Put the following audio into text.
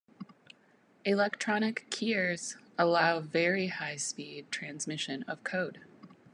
Electronic keyers allow very high speed transmission of code.